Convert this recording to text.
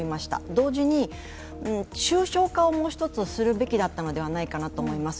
同時に、抽象化をもう一つするべきだったのではないかと思います。